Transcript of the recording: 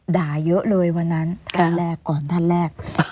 เยอะเลยวันนั้นท่านแรกก่อนท่านแรก